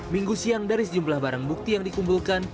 minggu siang dari sejumlah barang bukti yang dikumpulkan